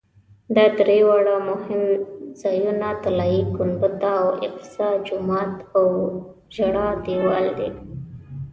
دا درې واړه مهم ځایونه طلایي ګنبده او اقصی جومات او ژړا دیوال دي.